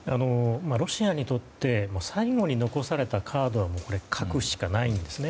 ロシアにとって最後に残されたカードは核しかないんですね。